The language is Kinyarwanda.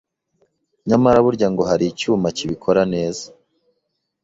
Nyamara burya ngo hari icyuma kibikora neza